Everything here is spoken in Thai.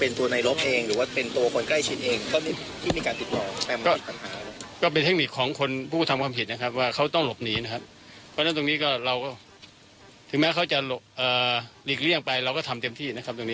เกี่ยวกับเทคนิคผู้ท่านติดต่อความผิดนะครับความจะเลียกเลี่ยงไปเราก็ทำเต็มที่